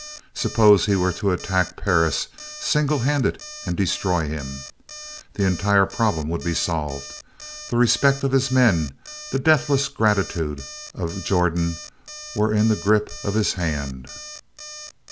Suppose he were to attack Perris, single handed and destroy him? The entire problem would be solved! The respect of his men, the deathless gratitude of Jordan were in the grip of his hand.